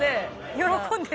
喜んでる。